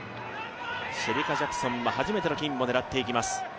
シェリカ・ジャクソンは初めての金を狙っていきます。